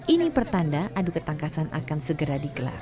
ini pertanda adu ketangkasan akan segera dikelar